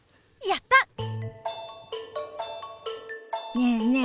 ねえねえ